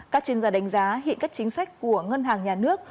các chuyên gia đánh giá hiện các chính sách của ngân hàng nhà nước